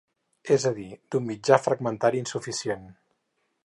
És a dir, d'un mitjà fragmentari insuficient.